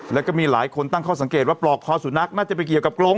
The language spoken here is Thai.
แล้วก็มีหลายคนตั้งข้อสังเกตว่าปลอกคอสุนัขน่าจะไปเกี่ยวกับกรง